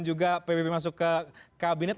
juga pbb masuk ke kabinet